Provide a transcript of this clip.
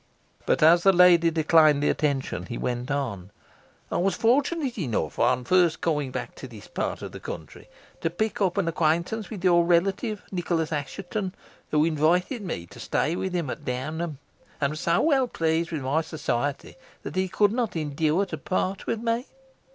But as the lady declined the attention, he went on. "I was fortunate enough, on first coming back to this part of the country, to pick up an acquaintance with your relative, Nicholas Assheton, who invited me to stay with him at Downham, and was so well pleased with my society that he could not endure to part with me."